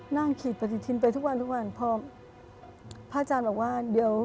นั่งขีดปฏิทินไปทุกวันพอพระอาจารย์บอกว่า